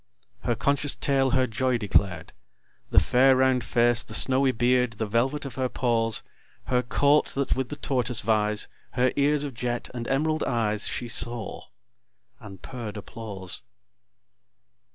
Her conscious tail her joy declared; The fair round face, the snowy beard, The velvet of her paws, Her coat, that with the tortoise vies, Her ears of jet, and emerald eyes, She saw; and purr'd applause.